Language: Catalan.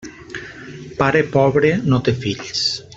Pare pobre no té fills.